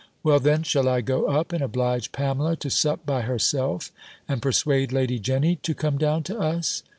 "Well then, shall I go up, and oblige Pamela to sup by herself, and persuade Lady Jenny to come down to us?"